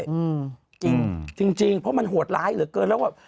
อืมจริงจริงเพราะมันโหดร้ายเหลือเกินแล้วแบบ